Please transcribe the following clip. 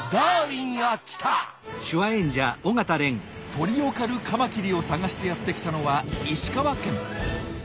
鳥を狩るカマキリを探してやって来たのは石川県。